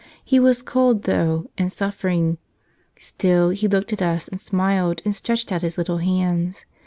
He was cold, though, and suffering. Still, He looked at us and smiled and stretched out His little hands.